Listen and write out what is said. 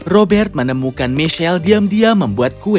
robert menemukan michelle diam diam membuat kue